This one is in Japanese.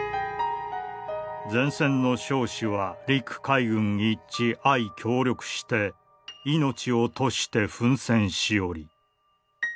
「前線の将士は陸海軍一致相協力して命を賭して奮戦し居り。